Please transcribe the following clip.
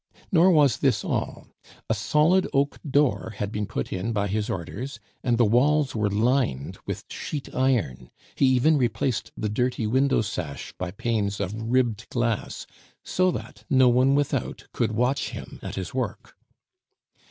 Nor was this all; a solid oak door had been put in by his orders, and the walls were lined with sheet iron; he even replaced the dirty window sash by panes of ribbed glass, so that no one without could watch him at his work.